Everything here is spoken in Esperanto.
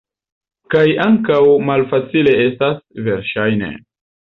Kaj ankaŭ malfacile estas, verŝajne.